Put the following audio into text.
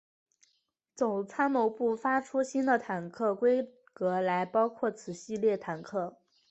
总参谋部发出新的坦克规格来包括此系列坦克。